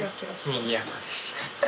にぎやかです。